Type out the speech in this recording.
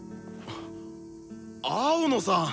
青野さん！